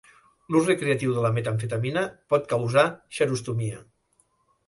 L'ús recreatiu de la metamfetamina pot causar xerostomia.